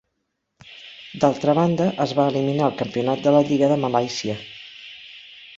D'altra banda, es va eliminar el campionat de la lliga de Malàisia.